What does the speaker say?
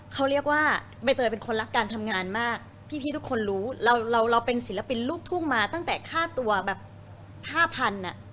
เขาเรียกว่าใบเตยเป็นคนรักการทำงานมากพี่ทุกคนรู้เราเราเป็นศิลปินลูกทุ่งมาตั้งแต่ค่าตัวแบบห้าพันอ่ะ